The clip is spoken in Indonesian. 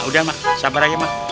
udah mak sabar aja mak